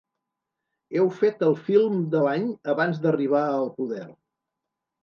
Heu fet el film de l’any abans d’arribar al poder.